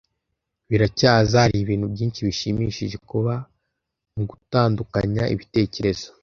Biracyaza, haribintu byinshi bishimishije kuba mugutandukanya ibitekerezo.